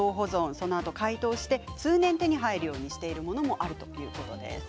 そのあと、解凍して通年手に入るようにしているものもあるということです。